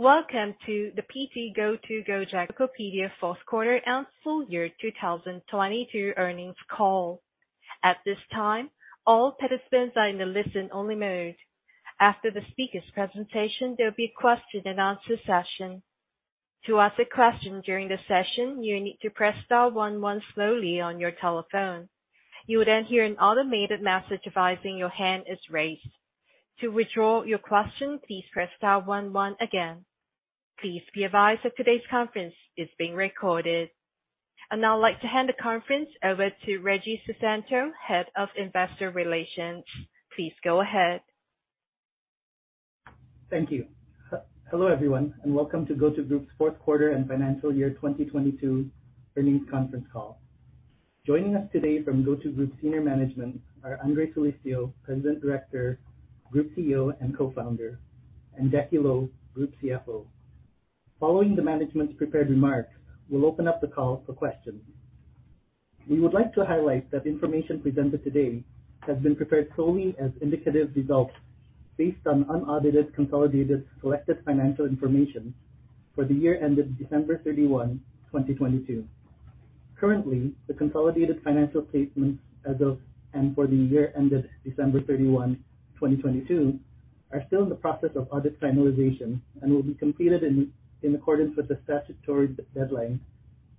Welcome to the PT GoTo Gojek Tokopedia fourth quarter and full year 2022 earnings call. At this time, all participants are in a listen-only mode. After the speakers' presentation, there'll be a question and answer session. To ask a question during the session, you need to press star one one slowly on your telephone. You will hear an automated message advising your hand is raised. To withdraw your question, please press star one one again. Please be advised that today's conference is being recorded. I'd now like to hand the conference over to Reggy Susanto, Head of Investor Relations. Please go ahead. Thank you. Hello, everyone, and welcome to GoTo Group's fourth quarter and financial year 2022 earnings conference call. Joining us today from GoTo Group senior management are Andre Soelistyo, President Director, Group CEO and Co-founder, and Jacky Lo, Group CFO. Following the management's prepared remarks, we'll open up the call for questions. We would like to highlight that the information presented today has been prepared solely as indicative results based on unaudited, consolidated, selected financial information for the year ended December 31, 2022. Currently, the consolidated financial statements as of and for the year ended December 31, 2022, are still in the process of audit finalization and will be completed in accordance with the statutory deadline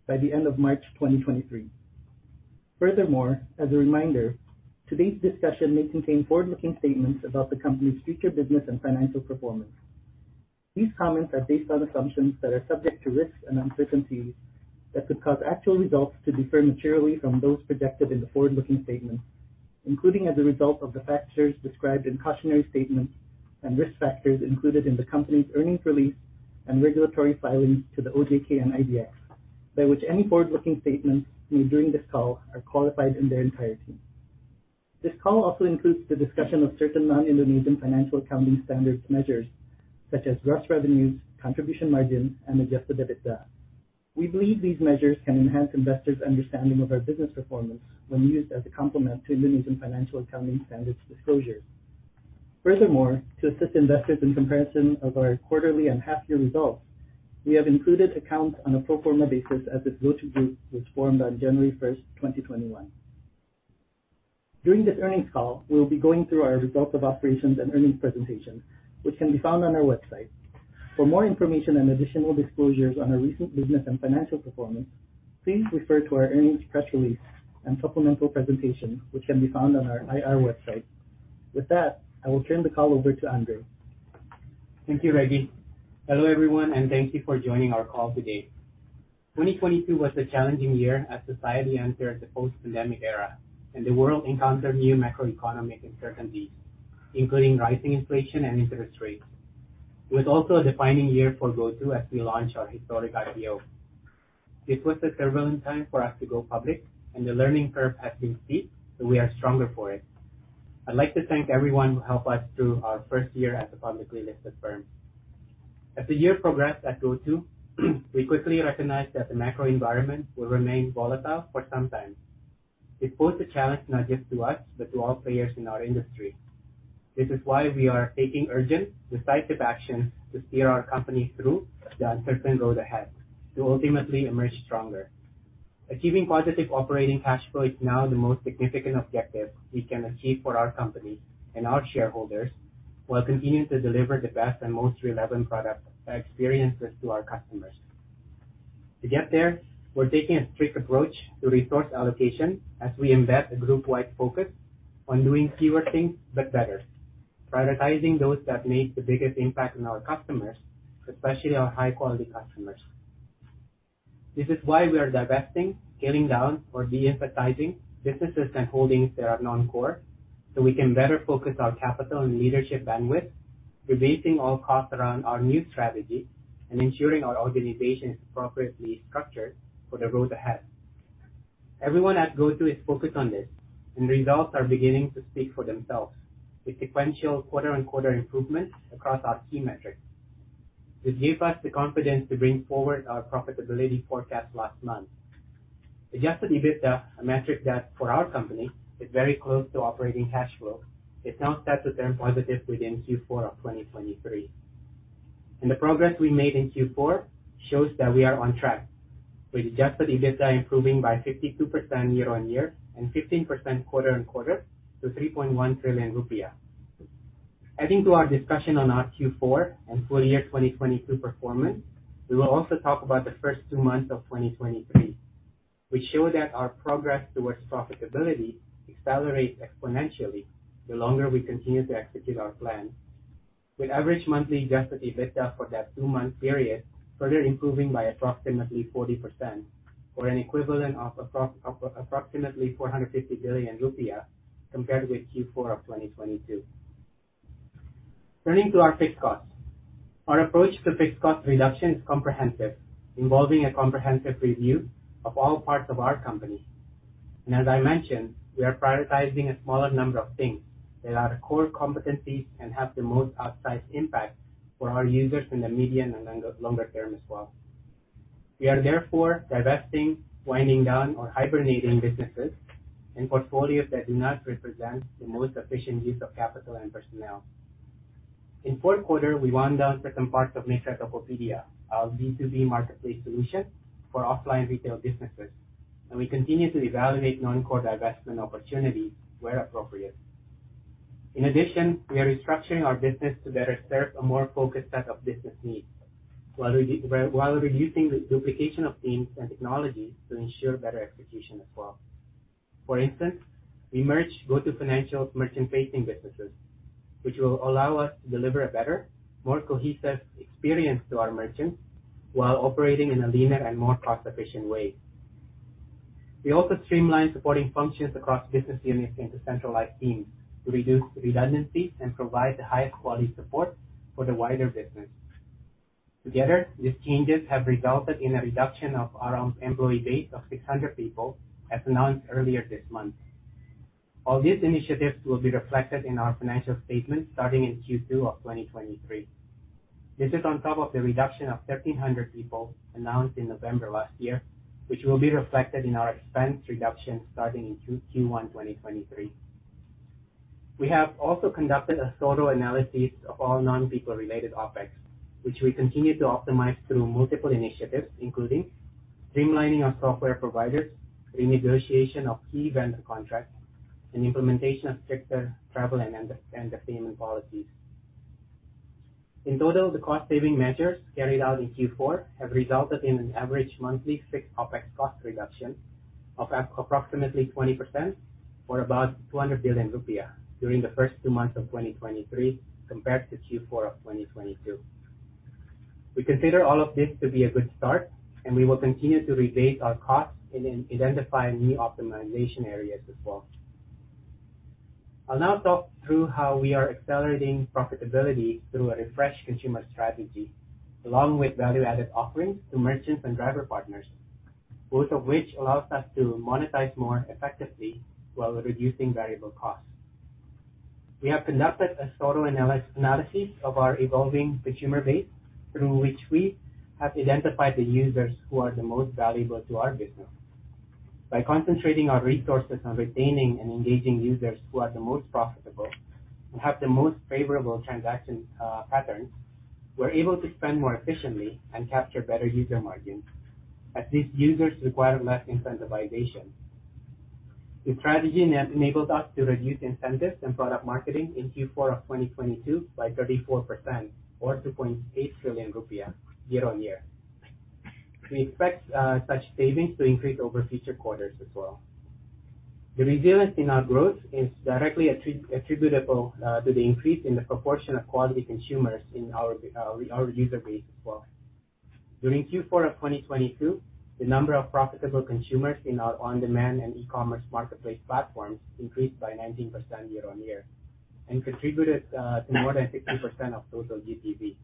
by the end of March 2023. As a reminder, today's discussion may contain forward-looking statements about the company's future business and financial performance. These comments are based on assumptions that are subject to risks and uncertainties that could cause actual results to differ materially from those projected in the forward-looking statements, including as a result of the factors described in cautionary statements and risk factors included in the company's earnings release and regulatory filings to the OJK and IDX, by which any forward-looking statements made during this call are qualified in their entirety. This call also includes the discussion of certain non-Indonesian financial accounting standards measures such as gross revenues, contribution margin, and adjusted EBITDA. We believe these measures can enhance investors' understanding of our business performance when used as a complement to Indonesian financial accounting standards disclosures. To assist investors in comparison of our quarterly and half-year results, we have included accounts on a pro forma basis as if GoTo Group was formed on January 1, 2021. During this earnings call, we will be going through our results of operations and earnings presentation, which can be found on our website. For more information and additional disclosures on our recent business and financial performance, please refer to our earnings press release and supplemental presentation, which can be found on our IR website. With that, I will turn the call over to Andre. Thank you, Reggy. Hello, everyone, and thank you for joining our call today. 2022 was a challenging year as society entered the post-pandemic era and the world encountered new macroeconomic uncertainties, including rising inflation and interest rates. It was also a defining year for GoTo as we launched our historic IPO. This was a turbulent time for us to go public, and the learning curve has been steep, but we are stronger for it. I'd like to thank everyone who helped us through our first year as a publicly listed firm. As the year progressed at GoTo, we quickly recognized that the macro environment will remain volatile for some time. It posed a challenge not just to us, but to all players in our industry. This is why we are taking urgent, decisive action to steer our company through the uncertain road ahead to ultimately emerge stronger. Achieving positive operating cash flow is now the most significant objective we can achieve for our company and our shareholders, while continuing to deliver the best and most relevant product experiences to our customers. To get there, we're taking a strict approach to resource allocation as we embed a group-wide focus on doing fewer things, but better. Prioritizing those that make the biggest impact on our customers, especially our high quality customers. This is why we are divesting, scaling down or de-emphasizing businesses and holdings that are non-core, so we can better focus our capital and leadership bandwidth, rebasing all costs around our new strategy and ensuring our organization is appropriately structured for the road ahead. Everyone at GoTo is focused on this, results are beginning to speak for themselves with sequential quarter-on-quarter improvements across our key metrics. This gave us the confidence to bring forward our profitability forecast last month. Adjusted EBITDA, a metric that for our company is very close to operating cash flow, is now set to turn positive within Q4 of 2023. The progress we made in Q4 shows that we are on track, with adjusted EBITDA improving by 52% year-on-year and 15% quarter-on-quarter to 3.1 trillion rupiah. Adding to our discussion on our Q4 and full year 2022 performance, we will also talk about the first two months of 2023, which show that our progress towards profitability accelerates exponentially the longer we continue to execute our plan. With average monthly adjusted EBITDA for that two-month period further improving by approximately 40% or an equivalent of approximately 450 billion rupiah compared with Q4 of 2022. Turning to our fixed costs. Our approach to fixed cost reduction is comprehensive, involving a comprehensive review of all parts of our company. As I mentioned, we are prioritizing a smaller number of things that are core competencies and have the most outsized impact for our users in the medium and longer term as well. We are therefore divesting, winding down or hibernating businesses and portfolios that do not represent the most efficient use of capital and personnel. In fourth quarter, we wound down certain parts of Mitra Tokopedia, our B2B marketplace solution for offline retail businesses, and we continue to evaluate non-core divestment opportunities where appropriate. We are restructuring our business to better serve a more focused set of business needs, while reducing the duplication of teams and technologies to ensure better execution as well. For instance, we merged GoTo Financial merchant-facing businesses, which will allow us to deliver a better, more cohesive experience to our merchants while operating in a leaner and more cost-efficient way. We also streamlined supporting functions across business units into centralized teams to reduce redundancies and provide the highest quality support for the wider business. Together, these changes have resulted in a reduction of around employee base of 600 people, as announced earlier this month. All these initiatives will be reflected in our financial statements starting in Q2 of 2023. This is on top of the reduction of 1,300 people announced in November last year, which will be reflected in our expense reduction starting in Q1 2023. We have also conducted a thorough analysis of all non-people related OpEx, which we continue to optimize through multiple initiatives, including streamlining our software providers, renegotiation of key vendor contracts, and implementation of stricter travel and expense payment policies. In total, the cost-saving measures carried out in Q4 have resulted in an average monthly fixed OpEx cost reduction of approximately 20% or about 200 billion rupiah during the first two months of 2023 compared to Q4 of 2022. We consider all of this to be a good start, and we will continue to rebate our costs and then identify new optimization areas as well. I'll now talk through how we are accelerating profitability through a refreshed consumer strategy, along with value-added offerings to merchants and driver partners, both of which allows us to monetize more effectively while reducing variable costs. We have conducted a thorough analysis of our evolving consumer base, through which we have identified the users who are the most valuable to our business. By concentrating our resources on retaining and engaging users who are the most profitable and have the most favorable transaction patterns, we're able to spend more efficiently and capture better user margins as these users require less incentivization. This strategy enabled us to reduce incentives and product marketing in Q4 of 2022 by 34% or 2.8 trillion rupiah year-on-year. We expect such savings to increase over future quarters as well. The resilience in our growth is directly attributable to the increase in the proportion of quality consumers in our user base as well. During Q4 of 2022, the number of profitable consumers in our on-demand and e-commerce marketplace platforms increased by 19% year-on-year and contributed to more than 50% of total GTV.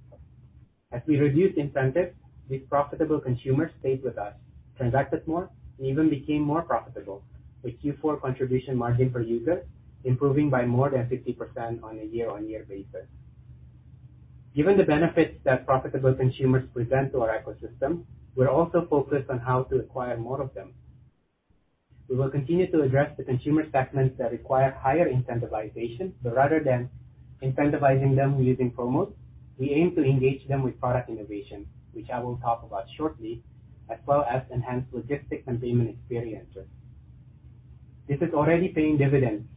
We reduced incentives, these profitable consumers stayed with us, transacted more and even became more profitable, with Q4 contribution margin per user improving by more than 50% on a year-on-year basis. Given the benefits that profitable consumers present to our ecosystem, we're also focused on how to acquire more of them. We will continue to address the consumer segments that require higher incentivization, rather than incentivizing them using promos, we aim to engage them with product innovation, which I will talk about shortly, as well as enhanced logistics and payment experiences. This is already paying dividends,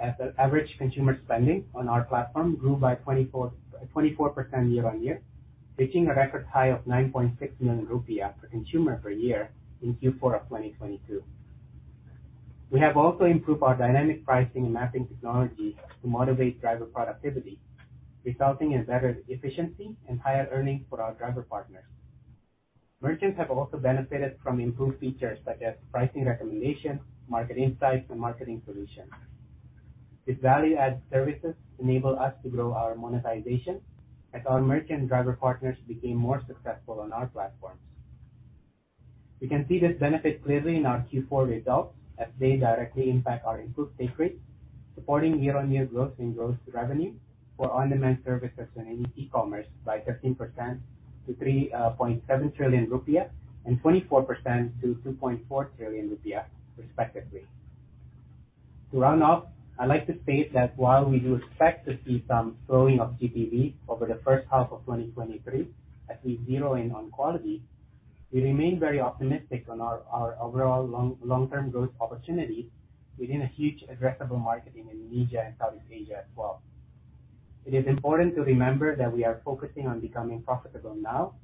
as the average consumer spending on our platform grew by 24% year-on-year, reaching a record high of 9.6 million rupiah per consumer per year in Q4 of 2022. We have also improved our dynamic pricing and mapping technologies to motivate driver productivity, resulting in better efficiency and higher earnings for our driver partners. Merchants have also benefited from improved features such as pricing recommendation, market insights, and marketing solutions. These value-add services enable us to grow our monetization as our merchant and driver partners became more successful on our platforms. We can see this benefit clearly in our Q4 results as they directly impact our improved take rates, supporting year-on-year growth in gross revenue for on-demand services and in e-commerce by 13% to 3.7 trillion rupiah, and 24% to 2.4 trillion rupiah respectively. To round off, I'd like to state that while we do expect to see some slowing of GTV over the first half of 2023 as we zero in on quality, we remain very optimistic on our overall long-term growth opportunity within a huge addressable market in Indonesia and Southeast Asia as well. It is important to remember that we are focusing on becoming profitable now,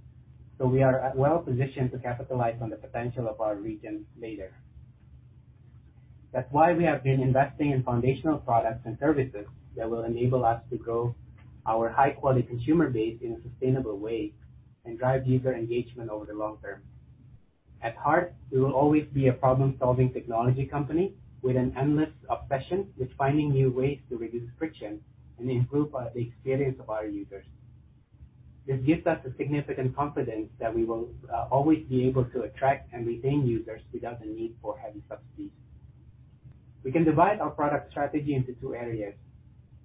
so we are at well-positioned to capitalize on the potential of our region later. That's why we have been investing in foundational products and services that will enable us to grow our high-quality consumer base in a sustainable way and drive user engagement over the long term. At heart, we will always be a problem-solving technology company with an endless obsession with finding new ways to reduce friction and improve the experience of our users. This gives us the significant confidence that we will always be able to attract and retain users without the need for heavy subsidies. We can divide our product strategy into two areas.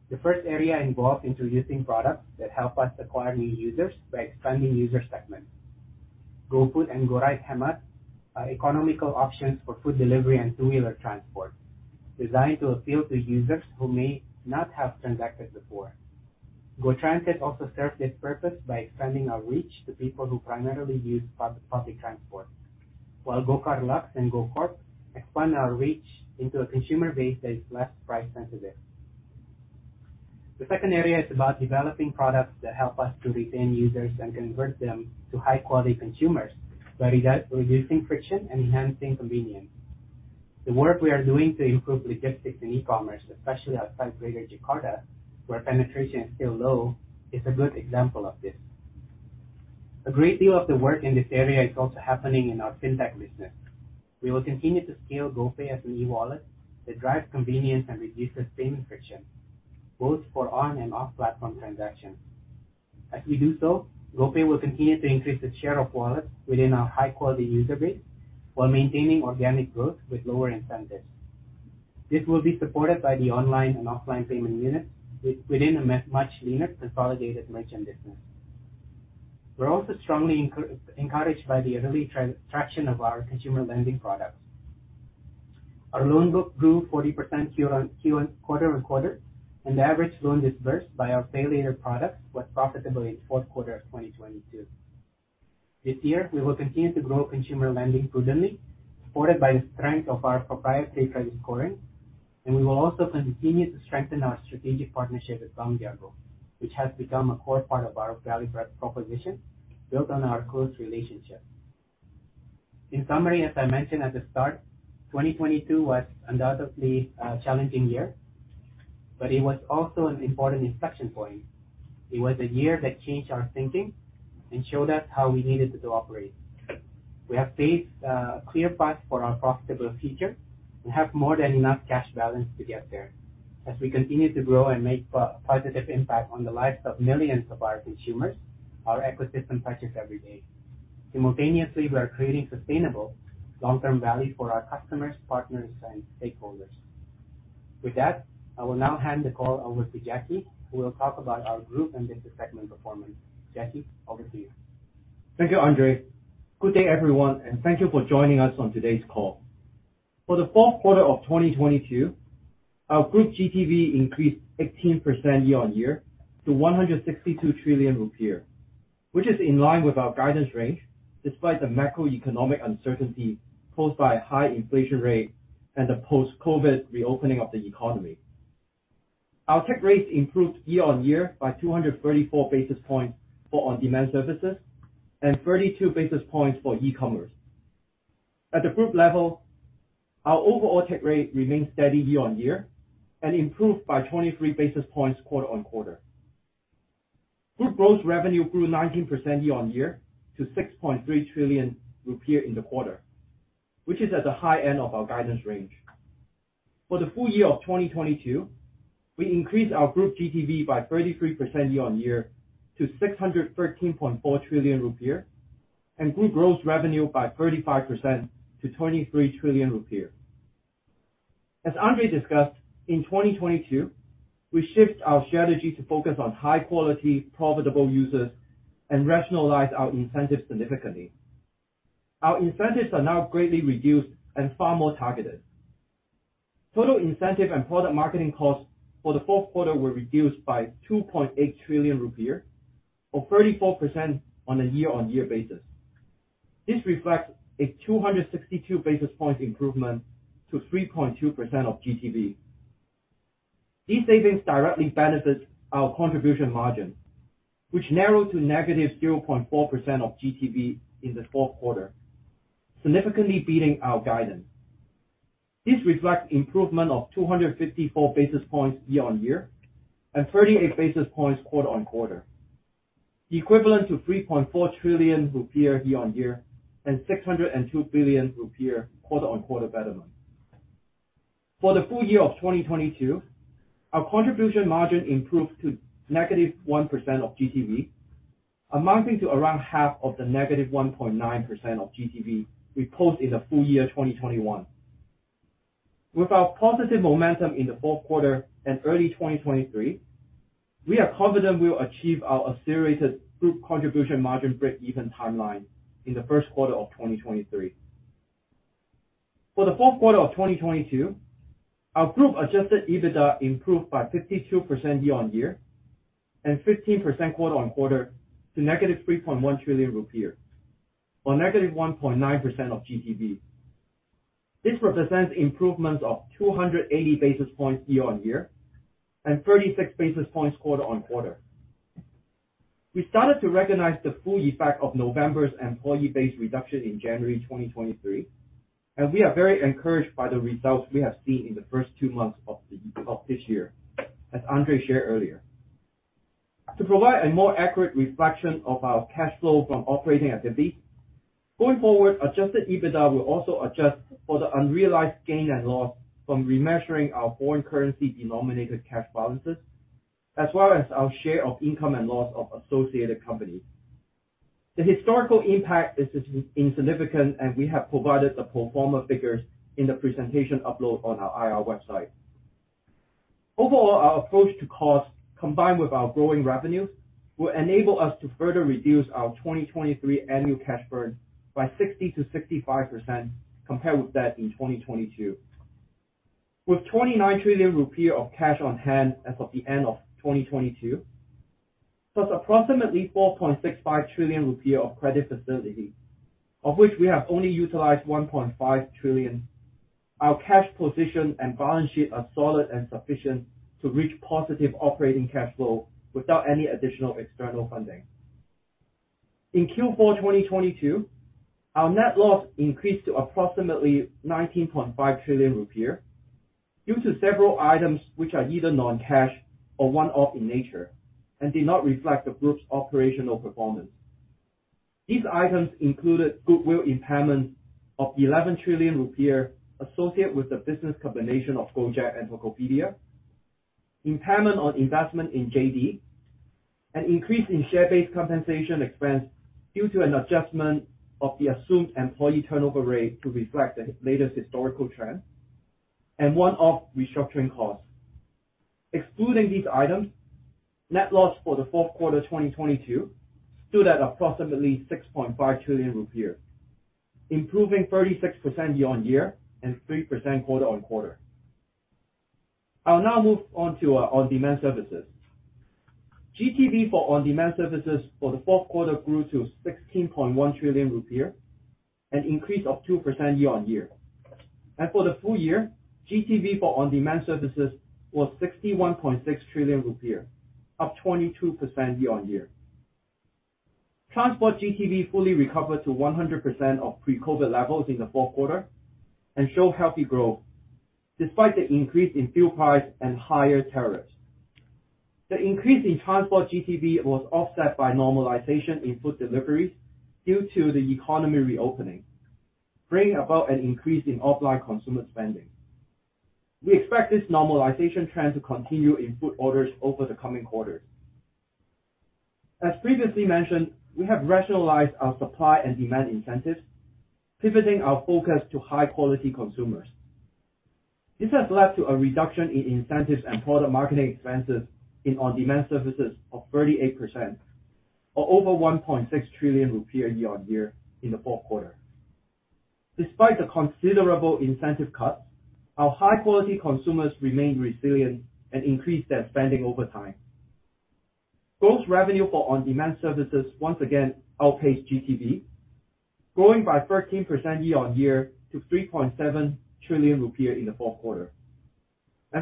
The first area involves introducing products that help us acquire new users by expanding user segments. GoFood and GoRide Hemat are economical options for food delivery and two-wheeler transport, designed to appeal to users who may not have transacted before. GoTransit also serves this purpose by expanding our reach to people who primarily use public transport, while GoCar Luxe and GoCorp expand our reach into a consumer base that is less price sensitive. The second area is about developing products that help us to retain users and convert them to high quality consumers by reducing friction and enhancing convenience. The work we are doing to improve logistics and e-commerce, especially outside Greater Jakarta, where penetration is still low, is a good example of this. A great deal of the work in this area is also happening in our FinTech business. We will continue to scale GoPay as an e-wallet that drives convenience and reduces payment friction, both for on and off platform transactions. As we do so, GoPay will continue to increase its share of wallets within our high quality user base while maintaining organic growth with lower incentives. This will be supported by the online and offline payment units within a much leaner, consolidated merchant business. We're also strongly encouraged by the early traction of our consumer lending products. Our loan book grew 40% quarter-on-quarter, and the average loan disbursed by our GoPay Later products was profitable in fourth quarter of 2022. This year we will continue to grow consumer lending prudently, supported by the strength of our proprietary credit scoring, and we will also continue to strengthen our strategic partnership with Bank Jago, which has become a core part of our value proposition built on our close relationship. In summary, as I mentioned at the start, 2022 was undoubtedly a challenging year, but it was also an important inflection point. It was a year that changed our thinking and showed us how we needed to operate. We have paved a clear path for our profitable future and have more than enough cash balance to get there. As we continue to grow and make positive impact on the lives of millions of our consumers, our ecosystem touches every day. Simultaneously, we are creating sustainable long-term value for our customers, partners, and stakeholders. With that, I will now hand the call over to Jacky, who will talk about our group and business segment performance. Jacky, over to you. Thank you, Andre. Good day, everyone, and thank you for joining us on today's call. For the fourth quarter of 2022, our group GTV increased 18% year-on-year to 162 trillion rupiah, which is in line with our guidance range despite the macroeconomic uncertainty posed by high inflation rate and the post-COVID reopening of the economy. Our take rate improved year-on-year by 234 basis points for on-demand services and 32 basis points for e-commerce. At the group level, our overall take rate remained steady year-on-year and improved by 23 basis points quarter-on-quarter. Group gross revenues grew 19% year-on-year to 6.3 trillion rupiah in the quarter, which is at the high end of our guidance range. For the full year of 2022, we increased our group GTV by 33% year-on-year to 613.4 trillion rupiah and group growth revenue by 35% to 23 trillion rupiah. As Andre discussed, in 2022 we shift our strategy to focus on high quality profitable users and rationalize our incentives significantly. Our incentives are now greatly reduced and far more targeted. Total incentive and product marketing costs for the fourth quarter were reduced by 2.8 trillion rupiah or 34% on a year-on-year basis. This reflects a 262 basis points improvement to 3.2% of GTV. These savings directly benefits our contribution margin, which narrowed to negative 0.4% of GTV in the fourth quarter, significantly beating our guidance. This reflects improvement of 254 basis points year-on-year and 38 basis points quarter-on-quarter, equivalent to 3.4 trillion rupiah year-on-year and 602 billion rupiah quarter-on-quarter betterment. For the full year of 2022, our contribution margin improved to negative 1% of GTV, amounting to around half of the negative 1.9% of GTV we post in the full year 2021. With our positive momentum in the fourth quarter and early 2023, we are confident we will achieve our accelerated group contribution margin break even timeline in the first quarter of 2023. For the fourth quarter of 2022, our group adjusted EBITDA improved by 52% year-on-year and 15% quarter-on-quarter to negative IDR 3.1 trillion, or negative 1.9% of GTV. This represents improvements of 280 basis points year-on-year and 36 basis points quarter-on-quarter. We started to recognize the full effect of November's employee base reduction in January 2023, we are very encouraged by the results we have seen in the first two months of this year, as Andre shared earlier. To provide a more accurate reflection of our cash flow from operating activity, going forward, adjusted EBITDA will also adjust for the unrealized gain and loss from remeasuring our foreign currency denominated cash balances, as well as our share of income and loss of associated companies. The historical impact is insignificant, and we have provided the pro forma figures in the presentation upload on our IR website. Overall, our approach to cost, combined with our growing revenues, will enable us to further reduce our 2023 annual cash burn by 60%-65% compared with that in 2022. With IDR 29 trillion of cash on hand as of the end of 2022, plus approximately 4.65 trillion rupiah of credit facility, of which we have only utilized 1.5 trillion, our cash position and balance sheet are solid and sufficient to reach positive operating cash flow without any additional external funding. In Q4 2022, our net loss increased to approximately 19.5 trillion rupiah due to several items which are either non-cash or one-off in nature and did not reflect the group's operational performance. These items included goodwill impairment of 11 trillion rupiah associated with the business combination of Gojek and Tokopedia, impairment on investment in JD, an increase in share-based compensation expense due to an adjustment of the assumed employee turnover rate to reflect the latest historical trend, and one-off restructuring costs. Excluding these items, net loss for the fourth quarter 2022 stood at approximately 6.5 trillion rupiah, improving 36% year-on-year and 3% quarter-on-quarter. I'll now move on to our On-Demand Services. GTV for On-Demand Services for the fourth quarter grew to 16.1 trillion rupiah, an increase of 2% year-on-year. For the full year, GTV for On-Demand Services was IDR 61.6 trillion, up 22% year-on-year. Transport GTV fully recovered to 100% of pre-COVID levels in the fourth quarter and show healthy growth despite the increase in fuel price and higher tariffs. The increase in transport GTV was offset by normalization in food deliveries due to the economy reopening, bringing about an increase in offline consumer spending. We expect this normalization trend to continue in food orders over the coming quarters. As previously mentioned, we have rationalized our supply and demand incentives, pivoting our focus to high-quality consumers. This has led to a reduction in incentives and product marketing expenses in on-demand services of 38%, or over 1.6 trillion rupiah year-on-year in the fourth quarter. Despite the considerable incentive cuts, our high-quality consumers remained resilient and increased their spending over time. Gross revenue for On-Demand Services once again outpaced GTV, growing by 13% year-on-year to 3.7 trillion rupiah in the 4th quarter.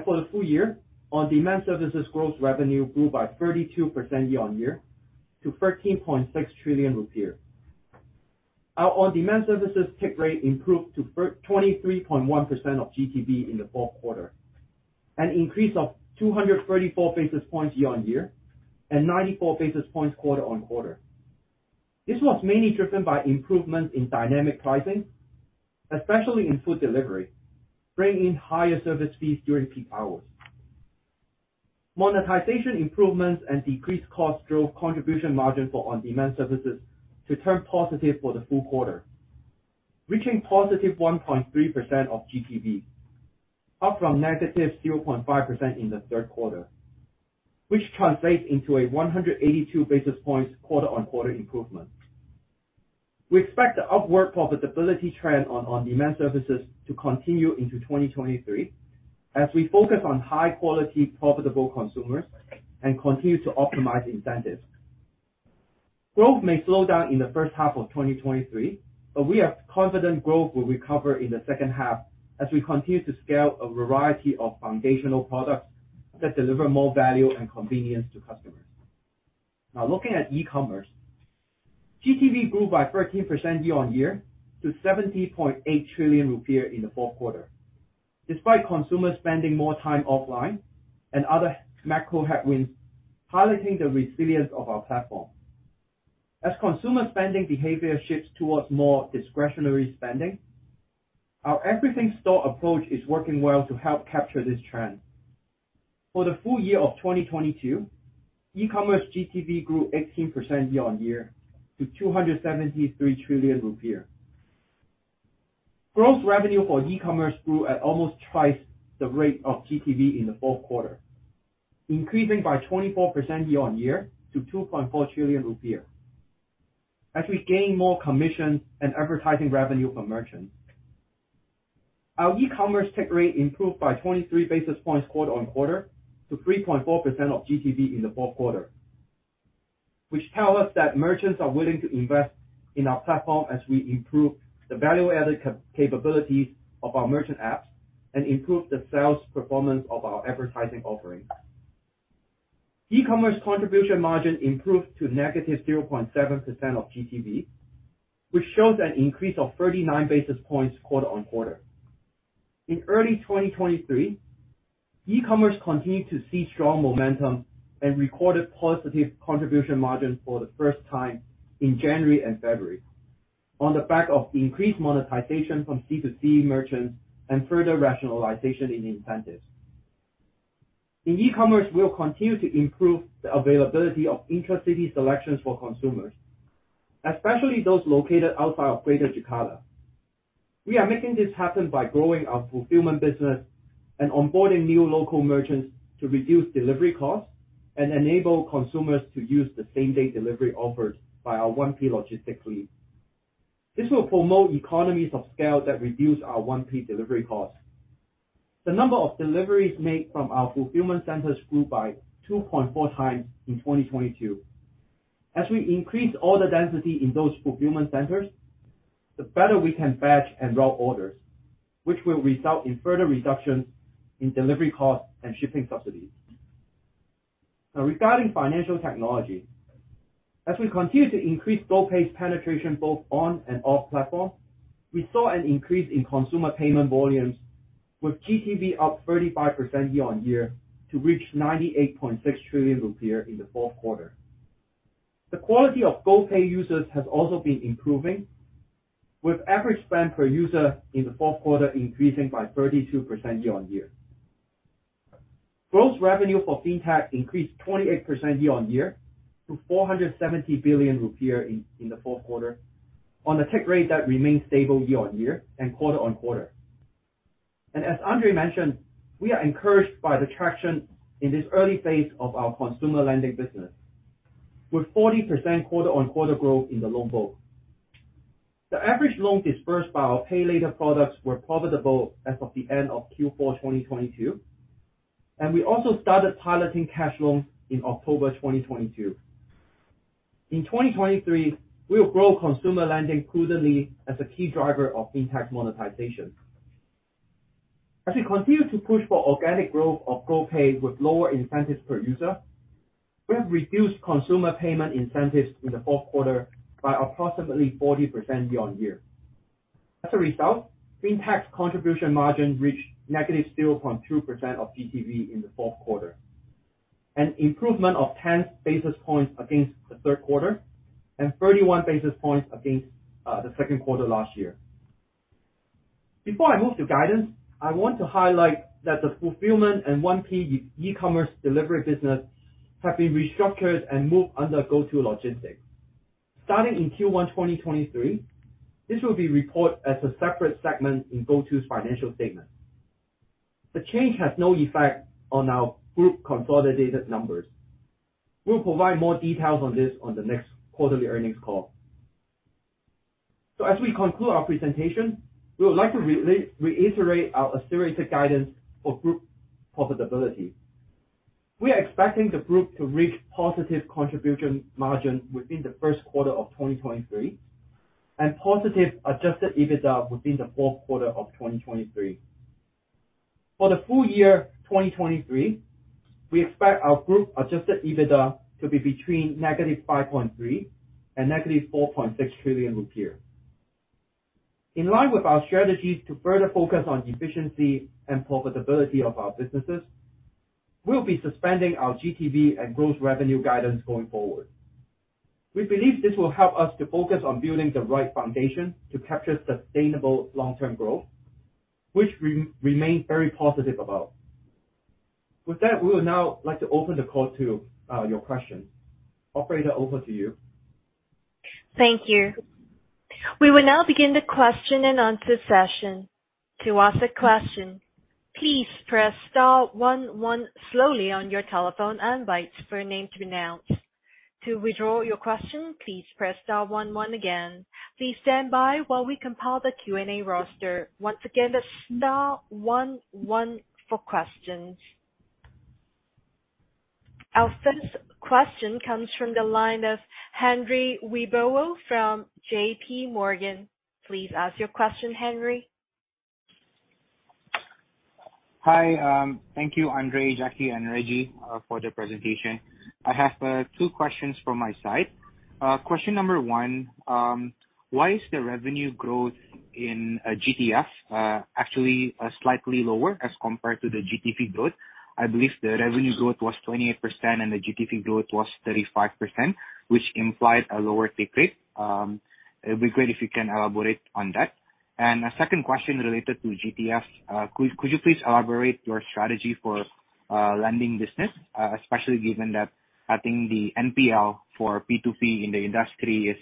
For the full year, On-Demand Services gross revenue grew by 32% year-on-year to IDR 13.6 trillion. Our On-Demand Services take rate improved to 23.1% of GTV in the 4th quarter, an increase of 234 basis points year-on-year and 94 basis points quarter-on-quarter. This was mainly driven by improvements in dynamic pricing, especially in food delivery, bringing higher service fees during peak hours. Monetization improvements and decreased costs drove contribution margin for On-Demand Services to turn positive for the full quarter, reaching positive 1.3% of GTV, up from negative 0.5% in the 3rd quarter, which translates into a 182 basis points quarter-on-quarter improvement. We expect the upward profitability trend on On-Demand Services to continue into 2023 as we focus on high-quality profitable consumers and continue to optimize incentives. Growth may slow down in the first half of 2023, but we are confident growth will recover in the second half as we continue to scale a variety of foundational products that deliver more value and convenience to customers. Looking at e-commerce. GTV grew by 13% year-on-year to 70.8 trillion rupiah in the fourth quarter, despite consumers spending more time offline and other macro headwinds highlighting the resilience of our platform. As consumer spending behavior shifts towards more discretionary spending, our everything store approach is working well to help capture this trend. For the full year of 2022, e-commerce GTV grew 18% year-on-year to IDR 273 trillion. Gross revenue for e-commerce grew at almost twice the rate of GTV in the fourth quarter, increasing by 24% year-on-year to 2.4 trillion rupiah as we gain more commission and advertising revenue from merchants. Our e-commerce take rate improved by 23 basis points quarter-on-quarter to 3.4% of GTV in the fourth quarter, which tell us that merchants are willing to invest in our platform as we improve the value-added capabilities of our merchant apps and improve the sales performance of our advertising offerings. E-commerce contribution margin improved to negative 0.7% of GTV, which shows an increase of 39 basis points quarter-on-quarter. In early 2023, e-commerce continued to see strong momentum and recorded positive contribution margin for the first time in January and February on the back of increased monetization from C2C merchants and further rationalization in incentives. In e-commerce, we'll continue to improve the availability of intracity selections for consumers, especially those located outside of Greater Jakarta. We are making this happen by growing our fulfillment business and onboarding new local merchants to reduce delivery costs and enable consumers to use the same-day delivery offers by our 1P logistics team. This will promote economies of scale that reduce our 1P delivery costs. The number of deliveries made from our fulfillment centers grew by 2.4 times in 2022. As we increase order density in those fulfillment centers, the better we can batch and route orders, which will result in further reductions in delivery costs and shipping subsidies. Regarding financial technology, as we continue to increase GoPay's penetration both on and off platform, we saw an increase in consumer payment volumes, with GTV up 35% year-on-year to reach 98.6 trillion rupiah in the fourth quarter. The quality of GoPay users has also been improving, with average spend per user in the fourth quarter increasing by 32% year-on-year. Gross revenue for Fintech increased 28% year-on-year to 470 billion rupiah in the fourth quarter on a take rate that remained stable year-on-year and quarter-on-quarter. As Andre mentioned, we are encouraged by the traction in this early phase of our consumer lending business, with 40% quarter-on-quarter growth in the loan book. The average loan disbursed by our GoPay Later products were profitable as of the end of Q4 2022. We also started piloting cash loans in October 2022. In 2023, we'll grow consumer lending prudently as a key driver of fintech monetization. As we continue to push for organic growth of GoPay with lower incentives per user, we have reduced consumer payment incentives in the fourth quarter by approximately 40% year-on-year. As a result, fintech contribution margin reached negative 0.2% of GTV in the fourth quarter, an improvement of 10 basis points against the third quarter and 31 basis points against the second quarter last year. Before I move to guidance, I want to highlight that the fulfillment and 1P e-commerce delivery business have been restructured and moved under GoTo Logistics. Starting in Q1 2023, this will be reported as a separate segment in GoTo's financial statement. The change has no effect on our group consolidated numbers. We'll provide more details on this on the next quarterly earnings call. As we conclude our presentation, we would like to re-reiterate our reiterated guidance for group profitability. We are expecting the group to reach positive contribution margin within the first quarter of 2023 and positive adjusted EBITDA within the fourth quarter of 2023. For the full year 2023, we expect our group adjusted EBITDA to be between -5.3 trillion IDR and -4.6 trillion rupiah. In line with our strategies to further focus on efficiency and profitability of our businesses, we'll be suspending our GTV and gross revenue guidance going forward. We believe this will help us to focus on building the right foundation to capture sustainable long-term growth, which remain very positive about. We would now like to open the call to your questions. Operator, over to you. Thank you. We will now begin the question and answer session. To ask a question, please press star one one slowly on your telephone and wait for your name to be announced. To withdraw your question, please press star one one again. Please stand by while we compile the Q&A roster. Once again, that's star one one for questions. Our first question comes from the line of Henry Wibowo from J.P. Morgan. Please ask your question, Henry. Hi. Thank you, Andre, Jacky, and Reggy, for the presentation. I have t questions from my side. Question number 1, why is the revenue growth in GTF actually slightly lower as compared to the GTV growth? I believe the revenue growth was 28% and the GTV growth was 35%, which implied a lower take rate. It would be great if you can elaborate on that. A 2nd question related to GTF. Could you please elaborate your strategy for lending business, especially given that I think the NPL for P2P in the industry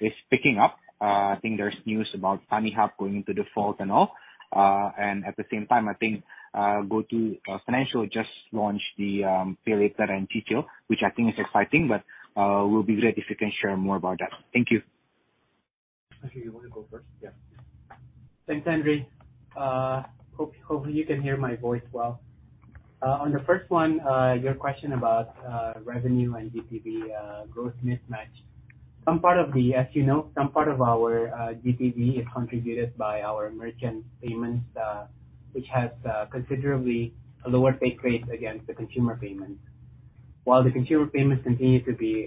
is picking up. I think there's news about Suniha going into default and all. At the same time, I think GoTo Financial just launched the GoPay Later in detail, which I think is exciting, but will be great if you can share more about that. Thank you. Jacky, you wanna go first? Yeah. Thanks, Henry. Hope you can hear my voice well. On the first one, your question about revenue and GTV growth mismatch. As you know, some part of our GTV is contributed by our merchant payments, which has considerably lower take rates against the consumer payments. While the consumer payments continue to be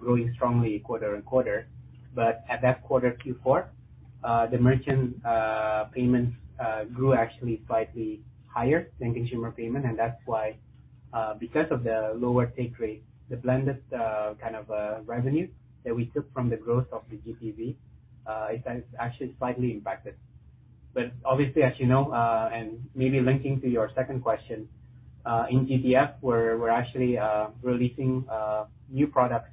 growing strongly quarter-on-quarter, but at that quarter, Q4, the merchant payments grew actually slightly higher than consumer payment and that's why because of the lower take rate, the blended kind of revenue that we took from the growth of the GPV is actually slightly impacted. Obviously, as you know, and maybe linking to your second question, in GTF, where we're actually releasing new products,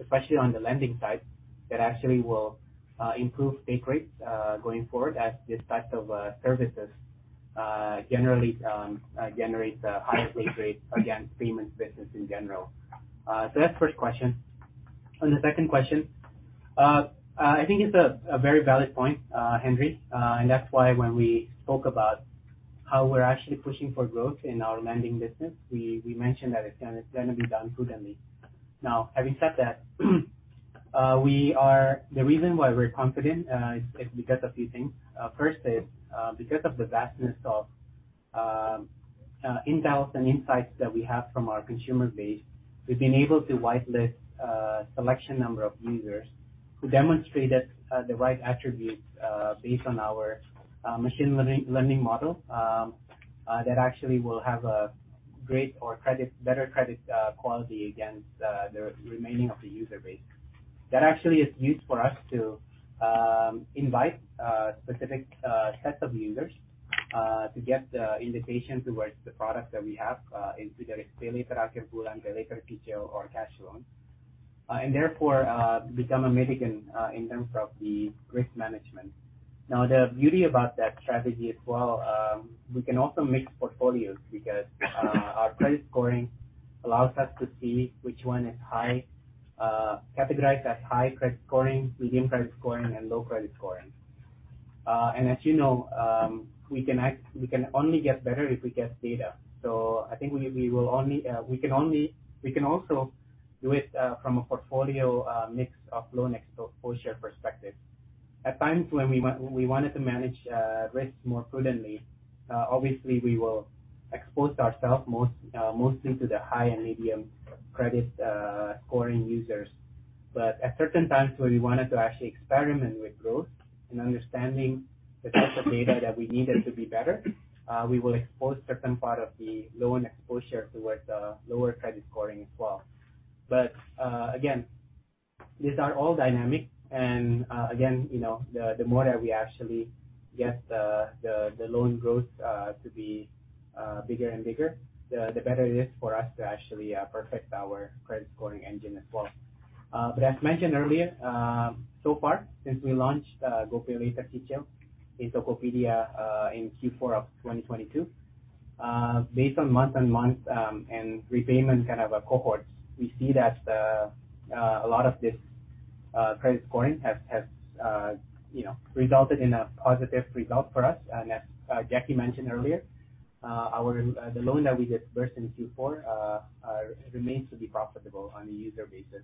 especially on the lending side, that actually will improve take rates going forward as this type of services generally generates higher take rates against payments business in general. That's first question. On the second question, I think it's a very valid point, Henry. That's why when we spoke about how we're actually pushing for growth in our lending business, we mentioned that it's gonna be done prudently. Now, having said that, we are. The reason why we're confident is because of few things. First is because of the vastness of in-depth and insights that we have from our consumer base, we've been able to whitelist a selection number of users who demonstrated the right attributes based on our machine learning model that actually will have a great or credit, better credit quality against the remaining of the user base. That actually is used for us to invite specific sets of users to get the invitation towards the products that we have into the Pinjaman Online, the GoPay Later Cicil or Cashloan, and therefore, become a median in terms of the risk management. The beauty about that strategy as well, we can also mix portfolios because our credit scoring allows us to see which one is high, categorized as high credit scoring, medium credit scoring, and low credit scoring. As you know, we can only get better if we get data. I think we will only, we can also do it from a portfolio mix of loan exposure perspective. At times when we wanted to manage risks more prudently, obviously we will expose ourselves mostly to the high and medium credit scoring users. At certain times when we wanted to actually experiment with growth and understanding the type of data that we needed to be better, we will expose certain part of the loan exposure towards lower credit scoring as well. Again, these are all dynamic and again, you know, the more that we actually get the loan growth to be bigger and bigger, the better it is for us to actually perfect our credit scoring engine as well. As mentioned earlier, so far since we launched GoPay Later Cicil in Tokopedia in Q4 of 2022, based on month-on-month and repayment kind of a cohorts, we see that a lot of this credit scoring has, you know, resulted in a positive result for us. As Jacky mentioned earlier, our the loan that we dispersed in Q4 remains to be profitable on a user basis.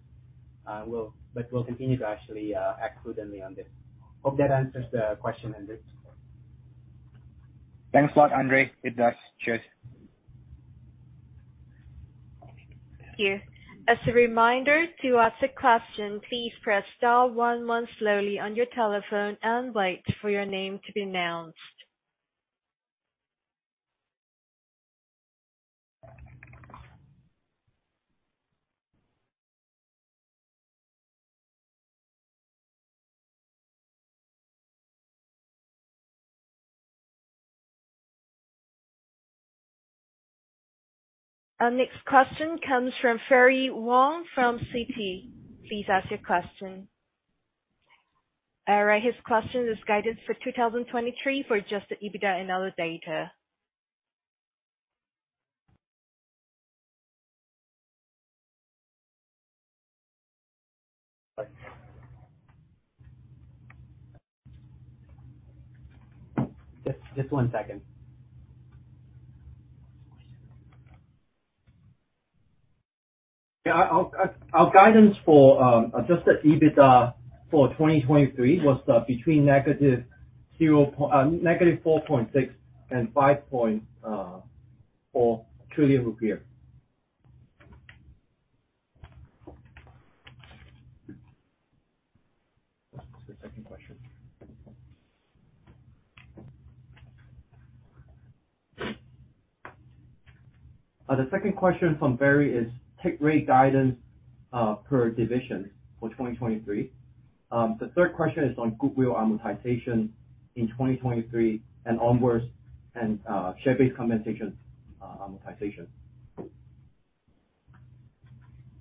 We'll continue to actually act prudently on this. Hope that answers the question, Henry. Thanks a lot, Andre. It does. Cheers. Thank you. As a reminder, to ask a question, please press star one one slowly on your telephone and wait for your name to be announced. Our next question comes from Ferry Wong from Citi. Please ask your question. All right, his question is guidance for 2023 for adjusted EBITDA and other data. Just one second. Our guidance for adjusted EBITDA for 2023 was between negative 4.6 trillion and IDR 5.4 trillion. What's the second question? The second question from Ferry is take rate guidance per division for 2023. The third question is on goodwill amortization in 2023 and onwards and share-based compensation amortization.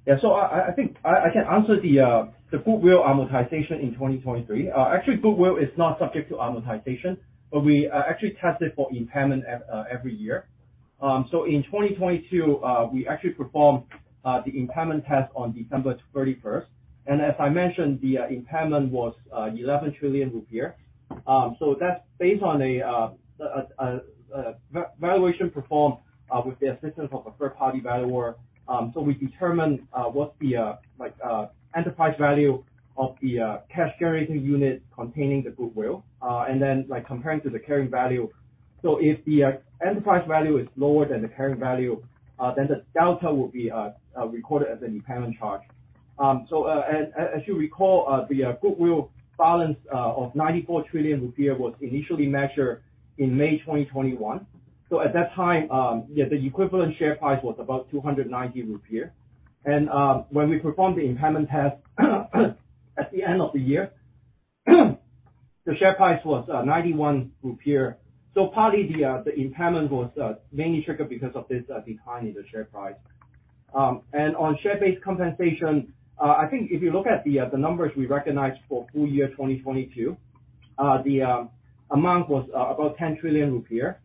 I think I can answer the goodwill amortization in 2023. Actually, goodwill is not subject to amortization, but we actually test it for impairment at every year. In 2022, we actually performed the impairment test on December 31st, and as I mentioned, the impairment was 11 trillion rupiah. That's based on a valuation performed with the assistance of a third party valuer. We determine what's the like enterprise value of the cash generating unit containing the goodwill, and then like comparing to the carrying value. If the enterprise value is lower than the carrying value, then the delta will be recorded as an impairment charge. As you recall, the goodwill balance of 94 trillion rupiah was initially measured in May 2021. At that time, yeah, the equivalent share price was about 290 rupiah. When we performed the impairment test at the end of the year, the share price was 91 rupiah. Partly the impairment was mainly triggered because of this decline in the share price. On share-based compensation, I think if you look at the numbers we recognized for full year 2022, the amount was about 10 trillion rupiah.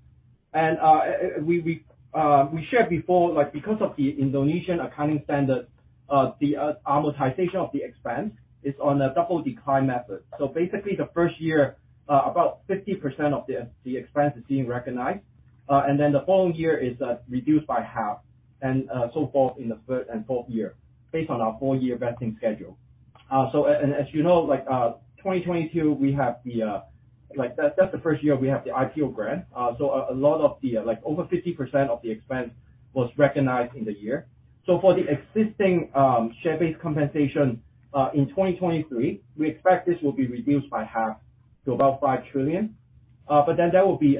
We shared before, like, because of the Indonesian accounting standard, the amortization of the expense is on a double declining balance method. Basically the first year, about 50% of the expense is being recognized, and then the following year is reduced by half and so forth in the third and fourth year based on our 4-year vesting schedule. As you know, 2022, that's the first year we have the IPO grant. A lot of the, over 50% of the expense was recognized in the year. For the existing share-based compensation in 2023, we expect this will be reduced by half to about 5 trillion. There will be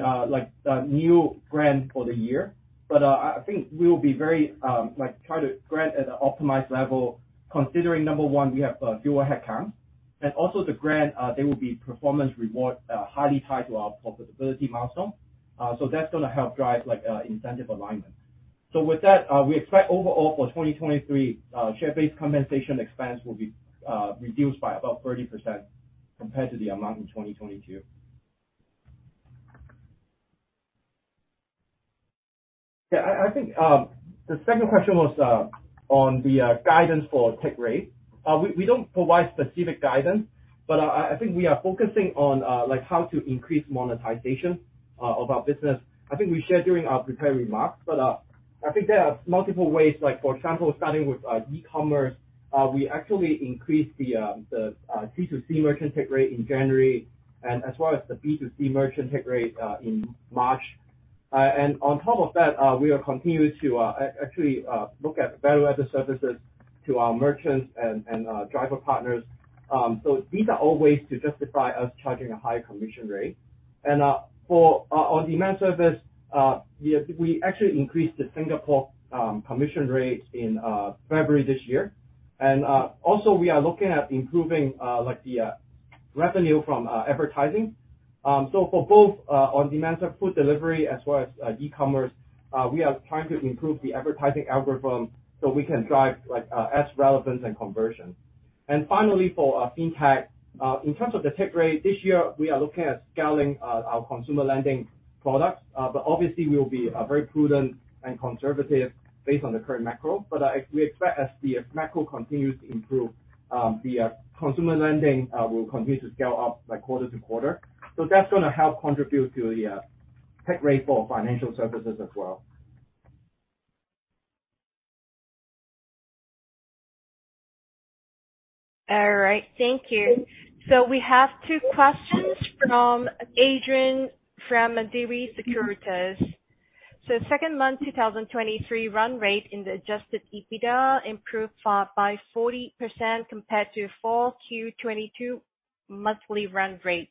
new grants for the year. I think we will be very try to grant at an optimized level considering, number one, we have fewer headcount. Also the grant, there will be performance reward highly tied to our profitability milestone. That's gonna help drive incentive alignment. With that, we expect overall for 2023, share-based compensation expense will be reduced by about 30% compared to the amount in 2022. Yeah, I think, the second question was on the guidance for take rate. We don't provide specific guidance. I think we are focusing on like, how to increase monetization of our business. I think we shared during our prepared remarks. I think there are multiple ways, like for example, starting with e-commerce, we actually increased the C2C merchant take rate in January and as well as the B2C merchant take rate in March. On top of that, we are continuing to actually look at value-added services to our merchants and driver partners. So these are all ways to justify us charging a higher commission rate. For On-Demand Services, we actually increased the Singapore commission rate in February this year. Also we are looking at improving like the revenue from advertising. For both on-demand, so food delivery as well as e-commerce, we are trying to improve the advertising algorithm so we can drive like ads relevance and conversion. Finally for fintech, in terms of the take rate, this year we are looking at scaling our consumer lending products. Obviously we will be very prudent and conservative based on the current macro. We expect as the macro continues to improve, the consumer lending will continue to scale up by quarter-to-quarter. That's gonna help contribute to the take rate for financial services as well. All right. Thank you. We have two questions from Adrian from Mandiri Sekuritas. 2nd month 2023 run rate in the adjusted EBITDA improved by 40% compared to Q4 2022 monthly run rate.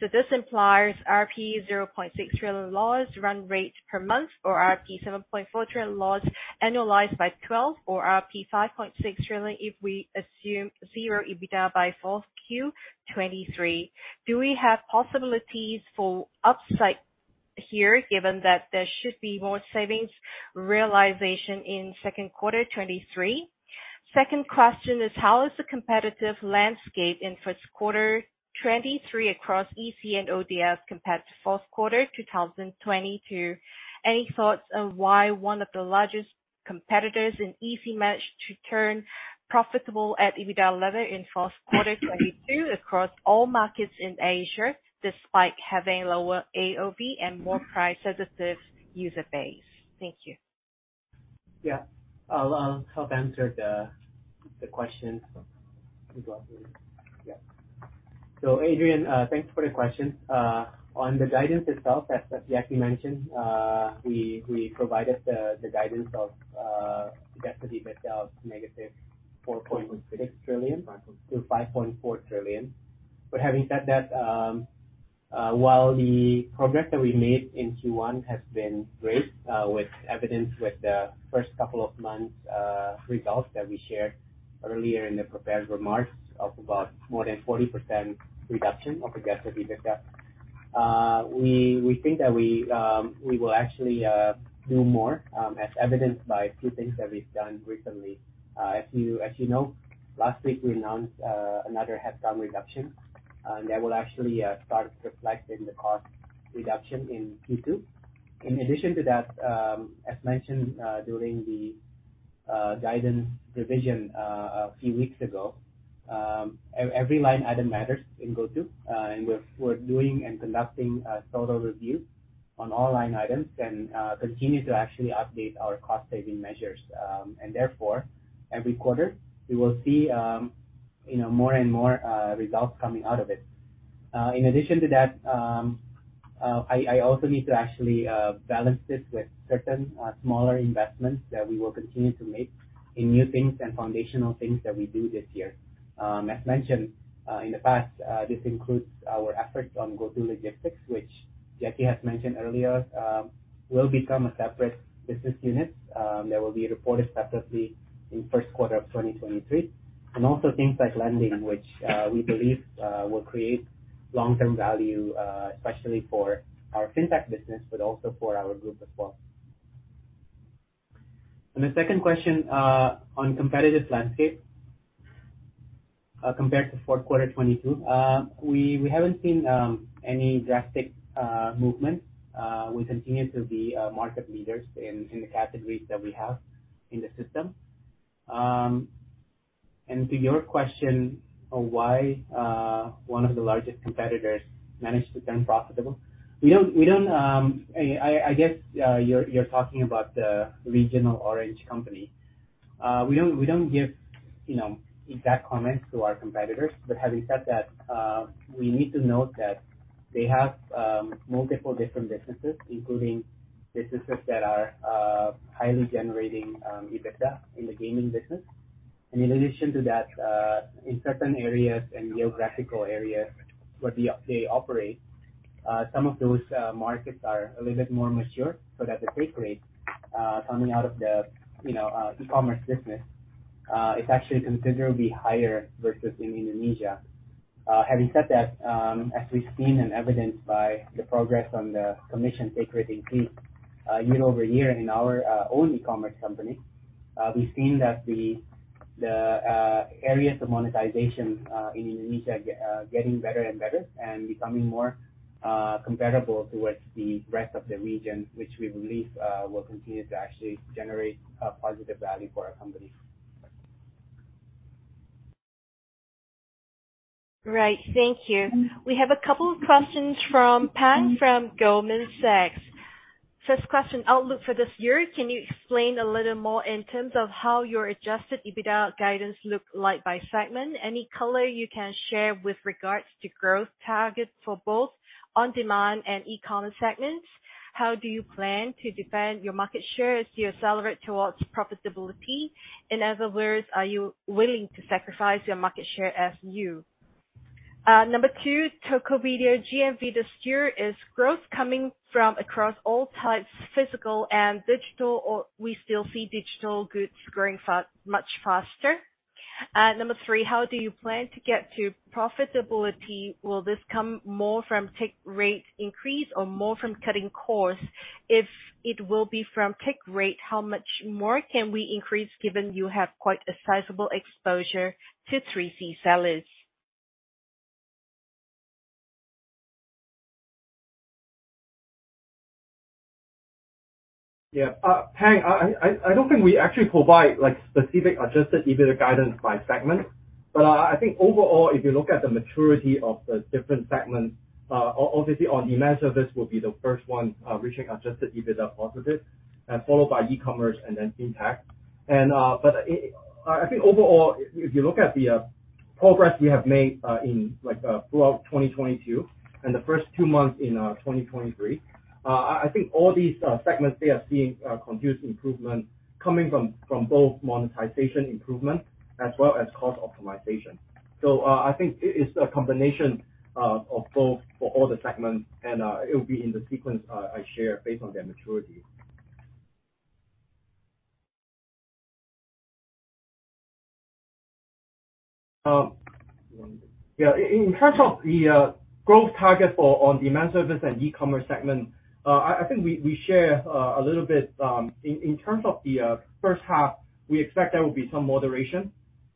This implies 0.6 trillion loss run rate per month or 7.4 trillion loss annualized by 12 or 5.6 trillion if we assume 0 EBITDA by Q4 2023. Do we have possibilities for upside here given that there should be more savings realization in Q2 2023? 2nd question is how is the competitive landscape in Q1 2023 across EC and ODS compared to Q4 2022? Any thoughts on why one of the largest competitors in EC managed to turn profitable at EBITDA level in fourth quarter 2022 across all markets in Asia, despite having lower AOV and more price-sensitive user base? Thank you. Yeah. I'll help answer the question as well, Adrian. Yeah. Adrian, thanks for the question. On the guidance itself, as Jacky mentioned, we provided the guidance of adjusted EBITDA of negative 4.6 trillion to 5.4 trillion. Having said that, while the progress that we made in Q1 has been great, with evidence with the first couple of months, results that we shared earlier in the prepared remarks of about more than 40% reduction of adjusted EBITDA, we think that we will actually do more, as evidenced by a few things that we've done recently. As you know, last week we announced another headcount reduction that will actually start reflecting the cost reduction in Q2. In addition to that, as mentioned, during the guidance revision, a few weeks ago, every line item matters in GoTo, and we're doing and conducting a total review on all line items and continue to actually update our cost saving measures. Therefore, every quarter we will see, you know, more and more results coming out of it. In addition to that, I also need to actually balance this with certain smaller investments that we will continue to make in new things and foundational things that we do this year. As mentioned in the past, this includes our efforts on GoTo Logistics, which Jacky has mentioned earlier, will become a separate business unit that will be reported separately in 1st quarter of 2023, and also things like lending, which we believe will create long-term value, especially for our fintech business, but also for our group as well. The second question on competitive landscape, compared to 4th quarter 2022. We haven't seen any drastic movement. We continue to be market leaders in the categories that we have in the system. To your question on why one of the largest competitors managed to turn profitable, we don't. I guess you're talking about the regional orange company. We don't give, you know, exact comments to our competitors. Having said that, we need to note that they have multiple different businesses, including businesses that are highly generating EBITDA in the gaming business. In addition to that, in certain areas and geographical areas where they operate, some of those markets are a little bit more mature, so that the take rate coming out of the, you know, e-commerce business is actually considerably higher versus in Indonesia. Having said that, as we've seen and evidenced by the progress on the commission take rate increase, year-over-year in our own e-commerce company, we've seen that the areas of monetization, in Indonesia getting better and better and becoming more, comparable towards the rest of the region, which we believe, will continue to actually generate a positive value for our company. Right. Thank you. We have two questions from Pang from Goldman Sachs. 1st question, outlook for this year. Can you explain a little more in terms of how your adjusted EBITDA guidance look like by segment? Any color you can share with regards to growth targets for both on-demand and e-commerce segments? How do you plan to defend your market share as you accelerate towards profitability? In other words, are you willing to sacrifice your market share as new? Number two, Tokopedia GMV this year, is growth coming from across all types, physical and digital, or we still see digital goods growing much faster? Number 3, how do you plan to get to profitability? Will this come more from take rate increase or more from cutting costs? If it will be from take rate, how much more can we increase given you have quite a sizable exposure to 3C sellers? Yeah. Pang, I don't think we actually provide like specific adjusted EBITDA guidance by segment. I think overall, if you look at the maturity of the different segments, obviously On-Demand Services will be the first one reaching adjusted EBITDA positive, followed by e-commerce and then FinTech. I think overall, if you look at the progress we have made in like throughout 2022 and the first two months in 2023, I think all these segments, they are seeing continuous improvement coming from both monetization improvement as well as cost optimization. I think it's a combination of both for all the segments, and it will be in the sequence I share based on their maturity. Yeah. In terms of the growth target for on-demand service and e-commerce segment, I think we share a little bit in terms of the first half, we expect there will be some moderation,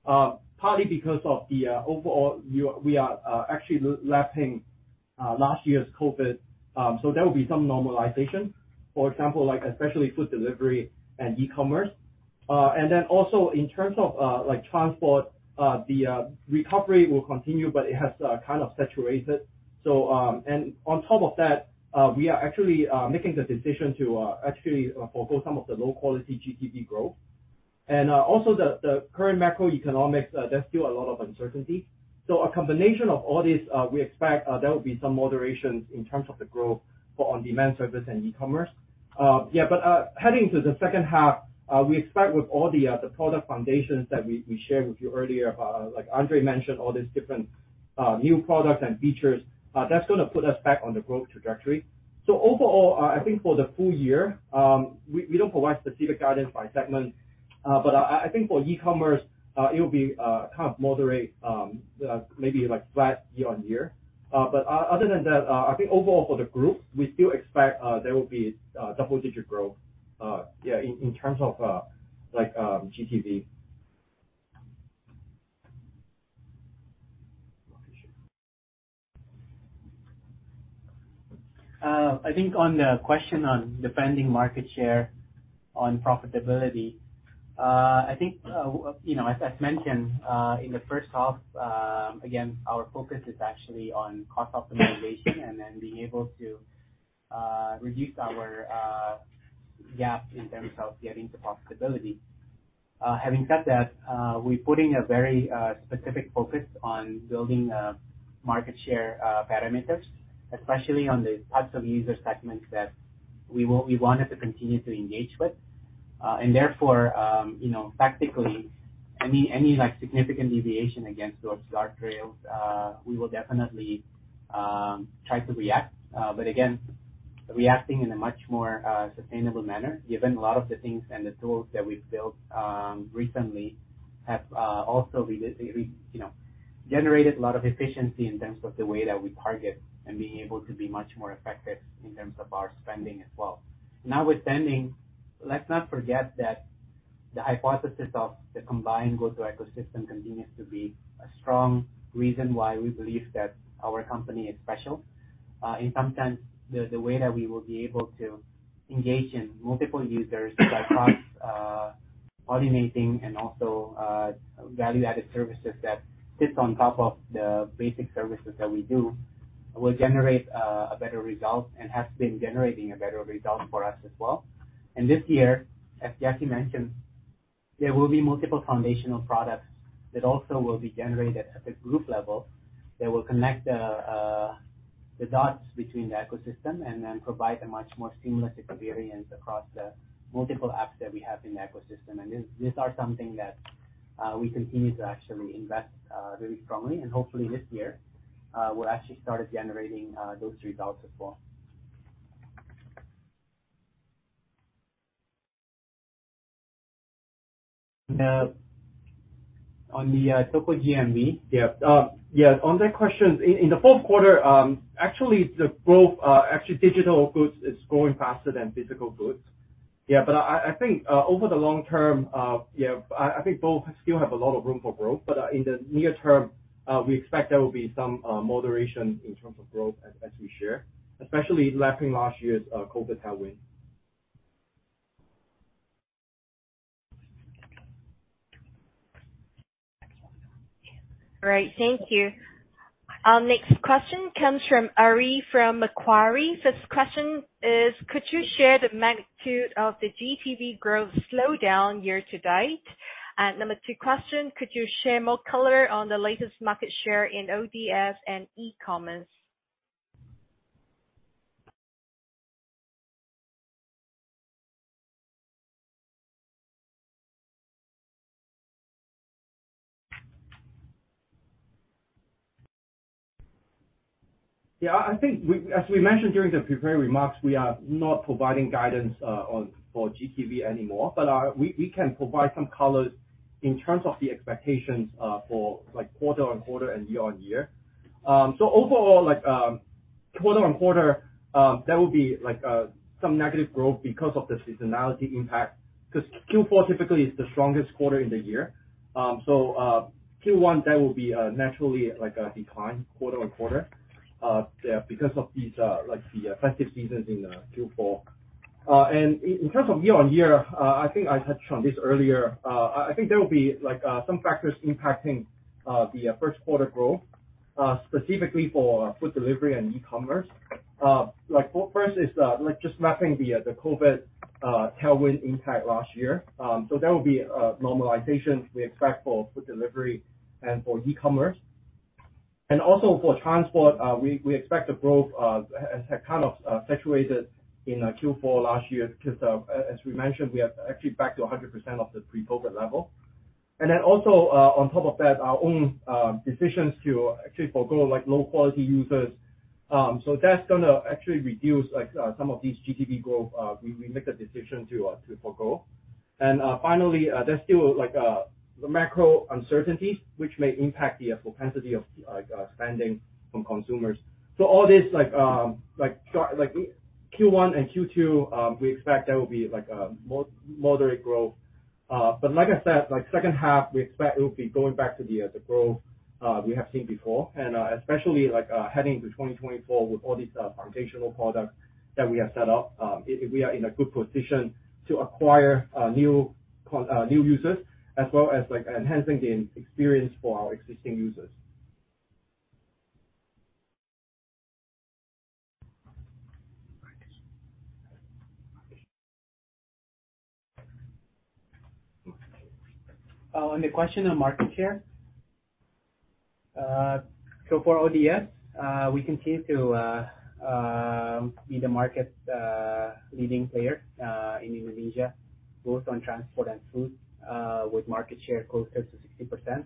partly because of the overall, we are actually lapping last year's COVID, so there will be some normalization. For example, like especially food delivery and e-commerce. In terms of like transport, the recovery will continue, but it has kind of saturated. On top of that, we are actually making the decision to actually forgo some of the low-quality GTV growth. Also the current macroeconomics, there's still a lot of uncertainty. A combination of all this, we expect there will be some moderations in terms of the growth for On-Dem and Services and e-commerce. Yeah, but heading to the second half, we expect with all the product foundations that we shared with you earlier, like Andre mentioned, all these different new products and features, that's gonna put us back on the growth trajectory. Overall, I think for the full year, we don't provide specific guidance by segment. But I think for e-commerce, it'll be kind of moderate, maybe like flat year-on-year. But other than that, I think overall for the group, we still expect there will be double-digit growth, yeah, in terms of like GTV. I think on the question on defending market share on profitability, I think, you know, as mentioned, in the first half, again, our focus is actually on cost optimization and then being able to reduce our gap in terms of getting to profitability. Having said that, we're putting a very specific focus on building market share parameters, especially on the types of user segments that we wanted to continue to engage with. Therefore, you know, tactically, any, like, significant deviation against those guardrails, we will definitely try to react. Again, reacting in a much more sustainable manner, given a lot of the things and the tools that we've built, recently have also, you know, generated a lot of efficiency in terms of the way that we target and being able to be much more effective in terms of our spending as well. With spending, let's not forget that the hypothesis of the combined GoTo ecosystem continues to be a strong reason why we believe that our company is special. In some sense, the way that we will be able to engage in multiple users across automating and also value-added services that sits on top of the basic services that we do, will generate a better result and has been generating a better result for us as well. This year, as Jackie mentioned, there will be multiple foundational products that also will be generated at the group level that will connect the dots between the ecosystem and then provide a much more seamless experience across the multiple apps that we have in the ecosystem. These are something that we continue to actually invest really strongly. Hopefully this year, we'll actually start generating those results as well. On the total GMV? Yeah. Yes. On that question, in the fourth quarter, actually the growth, actually digital goods is growing faster than physical goods. Yeah, I think over the long term, yeah, I think both still have a lot of room for growth. In the near term, we expect there will be some moderation in terms of growth as we share, especially lapping last year's COVID tailwind. All right. Thank you. Next question comes from Ari from Macquarie. First question is, could you share the magnitude of the GTV growth slowdown year to date? Number two question, could you share more color on the latest market share in ODS and e-commerce? Yeah, I think as we mentioned during the prepared remarks, we are not providing guidance for GTV anymore. We can provide some color in terms of the expectations for like quarter-on-quarter and year-on-year. Overall, like quarter-on-quarter, there will be like some negative growth because of the seasonality impact, 'cause Q4 typically is the strongest quarter in the year. Q1 that will be naturally like a decline quarter-on-quarter, yeah, because of these like the festive seasons in Q4. In terms of year-on-year, I think I touched on this earlier. I think there will be like some factors impacting the first quarter growth specifically for food delivery and e-commerce. Well, first is, like just mapping the COVID tailwind impact last year. There will be a normalization we expect for GoFood delivery and for e-commerce. Also for transport, we expect the growth has had kind of saturated in Q4 last year because as we mentioned, we are actually back to 100% of the pre-COVID level. Then also, on top of that, our own decisions to actually forego like low-quality users. That's gonna actually reduce like some of these GTV growth we make a decision to forego. Finally, there's still like the macro uncertainties which may impact the propensity of like spending from consumers. All this like Q1 and Q2, we expect that will be like a moderate growth. Like I said, like second half, we expect it will be going back to the growth we have seen before. Especially like heading to 2024 with all these foundational products that we have set up, we are in a good position to acquire new users as well as like enhancing the experience for our existing users. On the question of market share. For ODS, we continue to be the market's leading player in Indonesia, both on transport and food, with market share closer to 60%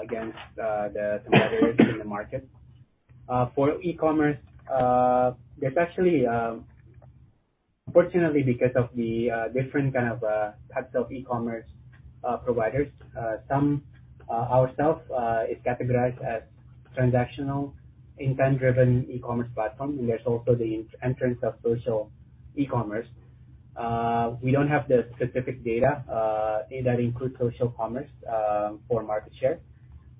against the competitors in the market. For e-commerce, there's actually. Fortunately, because of the different kind of types of e-commerce providers, some ourself is categorized as transactional intent-driven e-commerce platform. There's also the entrance of social e-commerce. We don't have the specific data that includes social commerce for market share.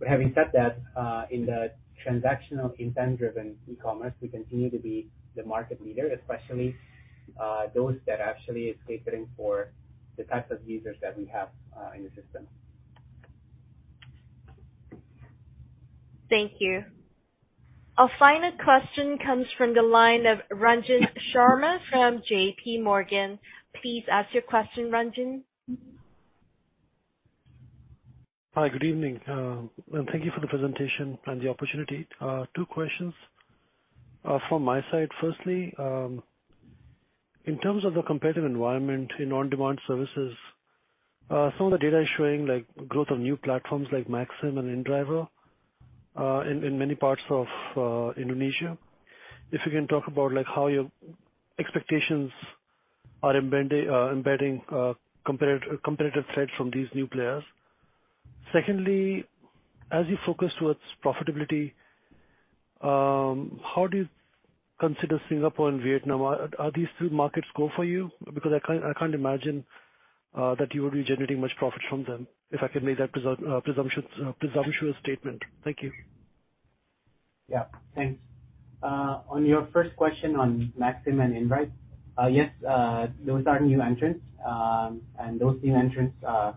Having said that, in the transactional intent-driven e-commerce, we continue to be the market leader, especially those that actually is catering for the types of users that we have in the system. Thank you. Our final question comes from the line of Ranjan Sharma from J.P. Morgan. Please ask your question, Ranjan. Hi. Good evening, and thank you for the presentation and the opportunity. Two questions from my side. Firstly, in terms of the competitive environment in On-Demand Services, some of the data is showing like growth of new platforms like Maxim and inDrive in many parts of Indonesia. If you can talk about like how your expectations are embedding competitive set from these new players. Secondly, as you focus towards profitability, how do you consider Singapore and Vietnam? Are these two markets go for you? I can't imagine that you would be generating much profit from them, if I could make that presumptuous statement. Thank you. Yeah. Thanks. On your first question on Maxim and inDrive, yes, those are new entrants. Those new entrants are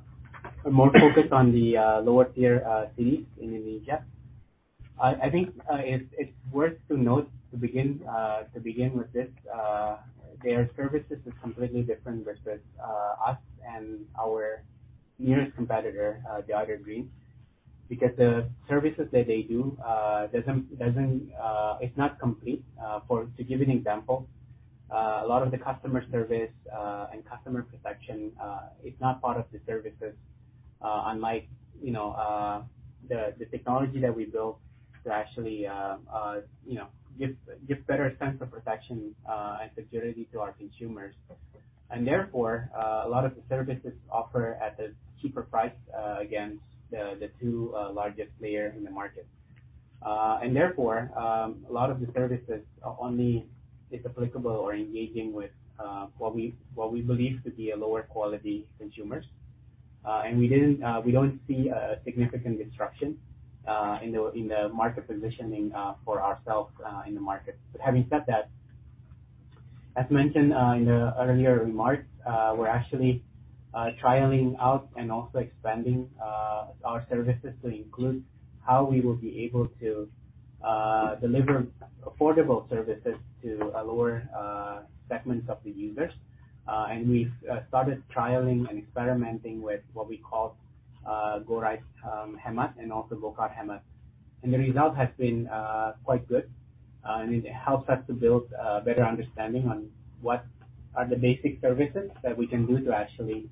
more focused on the lower tier cities in Indonesia. I think it's worth to note to begin with this, their services is completely different versus us and our nearest competitor, the other green, because the services that they do doesn't is not complete. For, to give you an example, a lot of the customer service and customer protection is not part of the services, unlike, you know, the technology that we built to actually, you know, give better sense of protection and security to our consumers. Therefore, a lot of the services offer at a cheaper price against the two largest player in the market. Therefore, a lot of the services are only is applicable or engaging with what we, what we believe to be a lower quality consumers. We didn't, we don't see a significant disruption in the market positioning for ourselves in the market. Having said that, as mentioned in the earlier remarks, we're actually trialing out and also expanding our services to include how we will be able to deliver affordable services to a lower segments of the users. We've started trialing and experimenting with what we call GoRide Hemat and also GoCar Hemat. The results has been quite good. It helps us to build a better understanding on what are the basic services that we can do to actually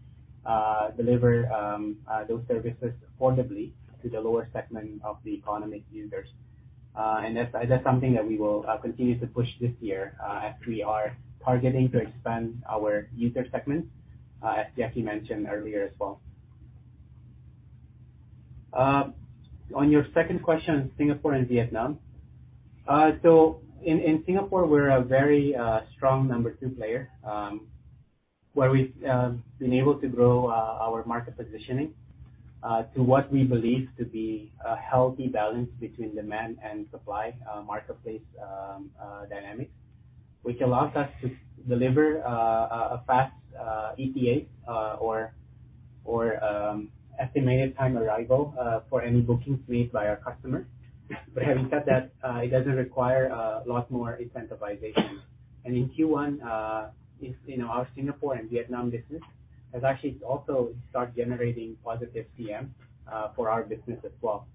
deliver those services affordably to the lower segment of the economic users. That's, that's something that we will continue to push this year as we are targeting to expand our user segments as Jacky mentioned earlier as well. On your second question on Singapore and Vietnam. In Singapore, we're a very strong number two player where we've been able to grow our market positioning to what we believe to be a healthy balance between demand and supply marketplace dynamics, which allows us to deliver a fast ETA or estimated time arrival for any bookings made by our customer. Having said that, it doesn't require a lot more incentivization. In Q1, you know, our Singapore and Vietnam business has actually also start generating positive CM for our business as well.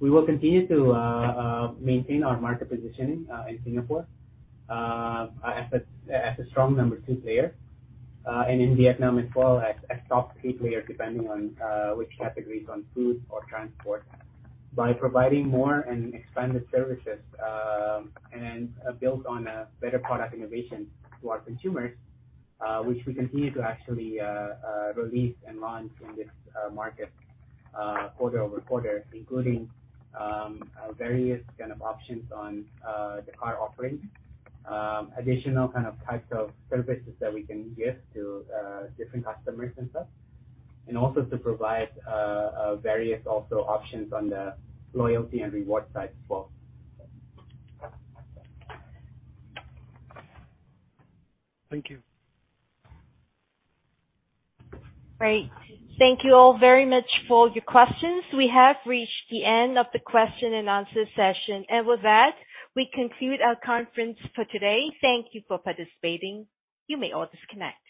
We will continue to maintain our market positioning in Singapore as a strong number two player. In Vietnam as well, as a top three player, depending on which categories on food or transport, by providing more and expanded services, and built on a better product innovation to our consumers, which we continue to actually release and launch in this market quarter-over-quarter, including various kind of options on the car offerings, additional kind of types of services that we can give to different customers and such, and also to provide various also options on the loyalty and reward side as well. Thank you. Great. Thank you all very much for all your questions. We have reached the end of the question and answer session. With that, we conclude our conference for today. Thank you for participating. You may all disconnect.